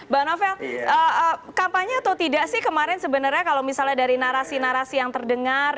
bang novel kampanye atau tidak sih kemarin sebenarnya kalau misalnya dari narasi narasi yang terdengar